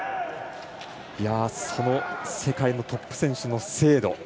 世界のトップ選手の精度